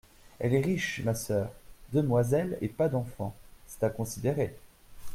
Elle est riche, ma sœur… demoiselle et pas d’enfants ! c’est à considérer.